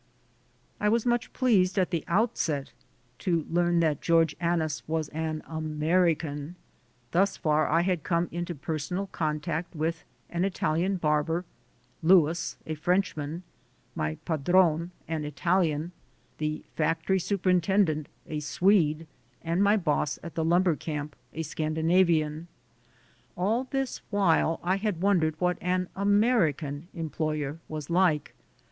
I was much pleased at the outset to learn that George Annis was an American. Thus far I had come into personal contact with an Italian bar ber; Louis, a Frenchman; my "padrone," an Italian; the factory superintendent, a Swede; and my boss at the lumber camp, a Scandinavian. All the while I had wondered what an American em ployer was like.